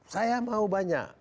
saya mau banyak